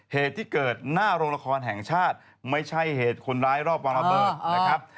เหตุที่เกิดหน้าโรงละครแห่งชาติไม่ใช่เหตุคนร้ายรอบวางระเบิดนะครับ